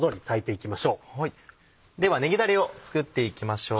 ではねぎダレを作っていきましょう。